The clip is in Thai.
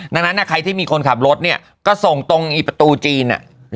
ดังนั้นใครที่มีคนขับรถเนี่ยก็ส่งตรงอีประตูจีน